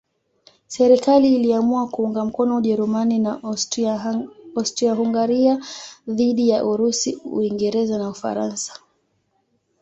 Serikali iliamua kuunga mkono Ujerumani na Austria-Hungaria dhidi ya Urusi, Uingereza na Ufaransa.